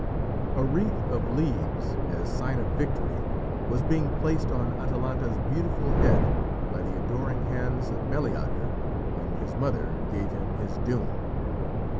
A wreath of leaves as sign of victory was being placed on Atalanta's beautiful head by the adoring hands of Meleager when his mother gave him his doom.